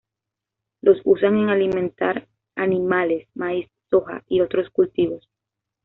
Los usan en alimentar animales: maíz, soja, y otros cultivos.